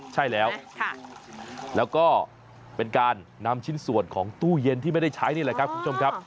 ใช่แล้วแล้วก็เป็นการนำชิ้นส่วนของตู้เย็นที่ไม่ได้ใช้นี่แหละครับคุณผู้ชมครับ